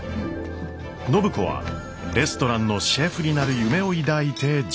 暢子はレストランのシェフになる夢を抱いて上京。